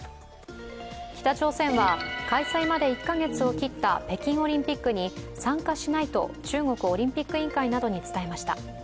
北朝鮮は、開催まで１カ月を切った北京オリンピックに参加しないと中国オリンピック委員会などに伝えました。